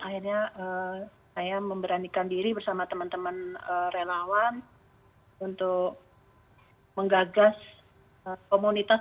akhirnya saya memberanikan diri bersama teman teman relawan untuk menggagas komunitas